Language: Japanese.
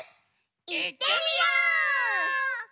いってみよう！